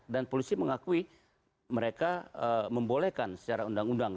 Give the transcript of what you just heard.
dan polisi mengakui mereka membolehkan secara undang undang